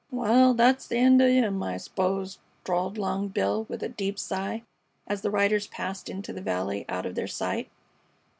"Wal, that's the end o' him, I 'spose," drawled Long Bill, with a deep sigh, as the riders passed into the valley out of their sight.